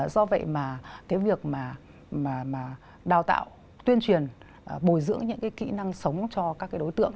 do vậy việc đào tạo tuyên truyền bồi dưỡng những kỹ năng sống cho các đối tượng